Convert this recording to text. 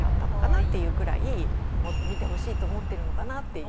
っていうくらい。と思ってるのかなっていう。